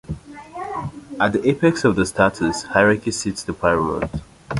At the apex of the status hierarchy sits the paramount.